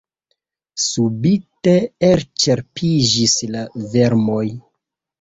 Subite elĉerpiĝis la vermoj.